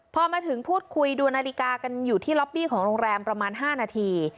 พอมาถึงพูดคุยดูนาฬิกากันอยู่ที่ล็อบบี้ของโรงแรมประมาณ๕นาที